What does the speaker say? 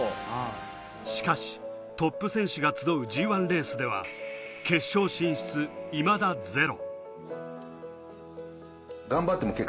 しかし、トップ選手が集うＧ１レースでは決勝進出いまだゼロ。